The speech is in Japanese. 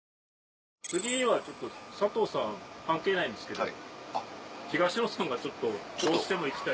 次はちょっと佐藤さん関係ないんですけど東野さんがどうしても行きたい。